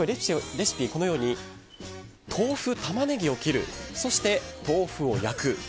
レシピ、このように豆腐、タマネギを切るそして豆腐を焼く。